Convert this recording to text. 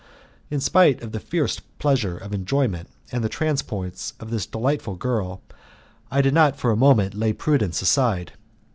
In spite of the fierce pleasure of enjoyment and the transports of this delightful girl, I did not for a moment lay prudence aside.